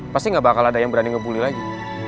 pasti gak bakal ada yang berani ngebully lagi